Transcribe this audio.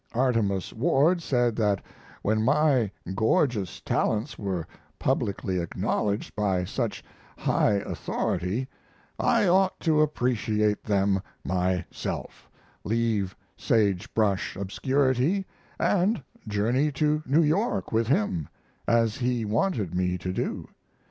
Artemus Ward said that when my gorgeous talents were publicly acknowledged by such high authority I ought to appreciate them myself, leave sage brush obscurity, and journey to New York with him, as he wanted me to do.